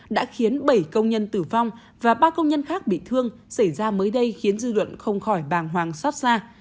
đã khiến bảy công nhân tử vong và ba công nhân khác bị thương xảy ra mới đây khiến dư luận không khỏi bàng hoàng xót xa